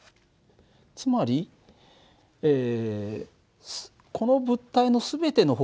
つまりこの物体の全ての方向から